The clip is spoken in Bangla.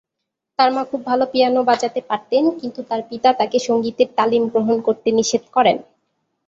তার মা খুব ভালো পিয়ানো বাজাতে পারতেন, কিন্তু তার পিতা তাকে সঙ্গীতের তালিম গ্রহণ করতে নিষেধ করেন।